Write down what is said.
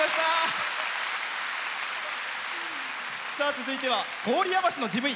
続いては郡山市の事務員。